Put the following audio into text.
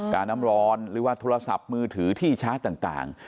น้ำร้อนหรือว่าโทรศัพท์มือถือที่ชาร์จต่าง